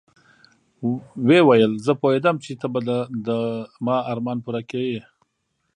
ويې ويل زه پوهېدم چې ته به د ما ارمان پوره کيې.